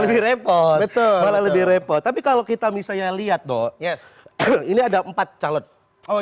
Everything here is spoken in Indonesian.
lebih repot betul malah lebih repot tapi kalau kita misalnya lihat dong yes ini ada empat calon oh